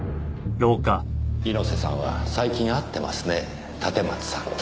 猪瀬さんは最近会ってますね立松さんと。